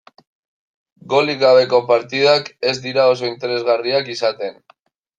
Golik gabeko partidak ez dira oso interesgarriak izaten.